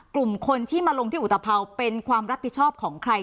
กลุ่มคนที่มาลงที่อุตภัวร์เป็นความรับผิดชอบของใคร